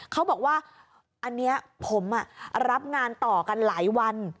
เขาบอกว่าอันนี้ผมรับงานต่อกันหลายวัน